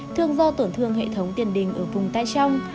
thường do tổn thương hệ thống tiền đình ở vùng tay trong